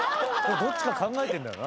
・どっちか考えてんだよな・・